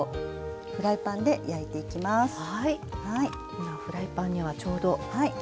今フライパンにはちょうど。